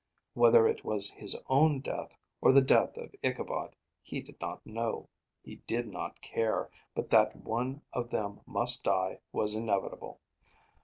Whether it was his own death, or the death of Ichabod, he did not know; he did not care; but that one of them must die was inevitable.